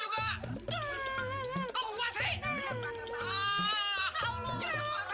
kau buka sih